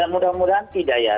mudah mudahan tidak ya